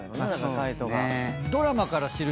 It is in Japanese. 海人が。